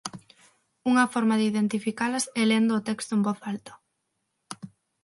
Unha forma de identificalas é lendo o texto en voz alta.